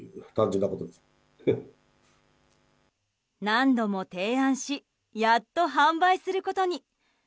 何度も提案しやっと販売することに。